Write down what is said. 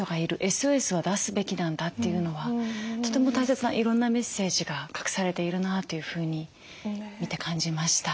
ＳＯＳは出すべきなんだっていうのはとても大切ないろんなメッセージが隠されているなというふうに見て感じました。